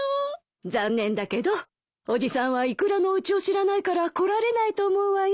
残念だけどおじさんはイクラのおうちを知らないから来られないと思うわよ。